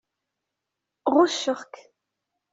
Ɣucceɣ-k.